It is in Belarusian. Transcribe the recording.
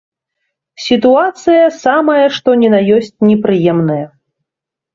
Сітуацыя самая што ні на ёсць непрыемная.